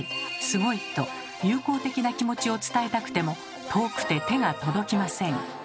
「すごい！」と友好的な気持ちを伝えたくても遠くて手が届きません。